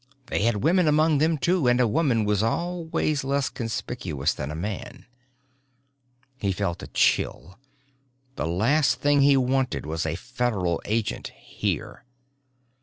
They had women among them too and a woman was always less conspicuous than a man. He felt a chill. The last thing he wanted was a Federal agent here.